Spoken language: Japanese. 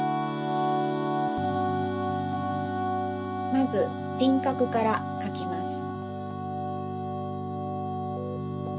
まずりんかくからかきます。